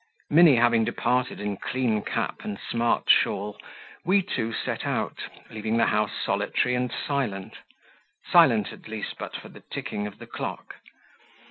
Minnie having departed in clean cap and smart shawl, we, too, set out, leaving the house solitary and silent silent, at least, but for the ticking of the clock.